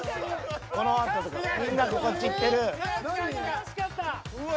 ［このあととかみんながこっち行ってる］うわ！